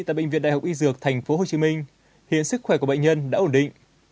tại bệnh viện đại học y dược tp hcm hiện sức khỏe của bệnh nhân đã ổn định